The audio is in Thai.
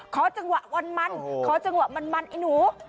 ขอจังหวะวันมันขอจังหวะมันไอ้หนู